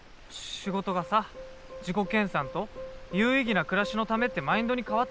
仕事がさ自己研さんと有意義な暮らしのためってマインドに変わったのはさ。